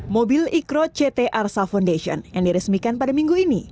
mobil ikro ct arsa foundation yang diresmikan pada minggu ini